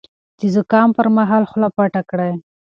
د زکام پر مهال خوله پټه کړئ.